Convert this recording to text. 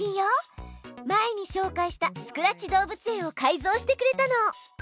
前にしょうかいしたスクラッチ動物園を改造してくれたの。